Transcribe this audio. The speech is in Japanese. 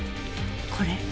これ。